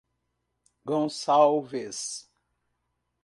Gonçalves